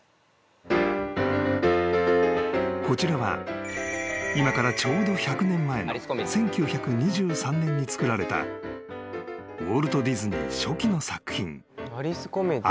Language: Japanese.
［こちらは今からちょうど１００年前の１９２３年に作られたウォルト・ディズニー初期の作品］